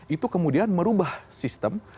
itu kemudian merubah sistem